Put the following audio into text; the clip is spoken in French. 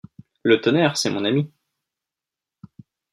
Le tonnerre, c’est mon ami.